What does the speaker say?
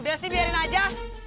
udah sih biarin aja